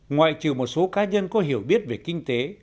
ngoại trừ một số cá nhân có hiểu biết về kinh tế